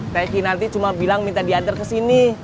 teki nanti cuma bilang minta diantar kesini